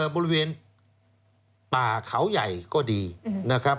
บริเวณป่าเขาใหญ่ก็ดีนะครับ